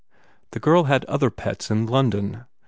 The girl had other pets in London.